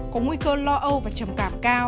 có nguy cơ lo âu và trầm cảm cao